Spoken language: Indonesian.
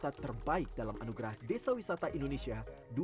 desa wisata terbaik dalam anugerah desa wisata indonesia dua ribu dua puluh satu